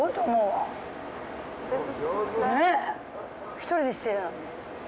１人でしてる。